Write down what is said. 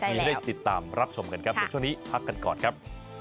มีให้ติดตามรับชมกันครับในช่วงนี้พักกันก่อนครับ